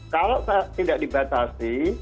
kalau tidak dibatasi